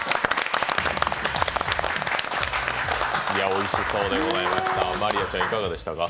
おいしそうでございました。